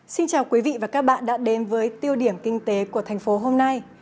xin chào quý vị và các bạn đã đến với tiêu điểm kinh tế của thành phố hôm nay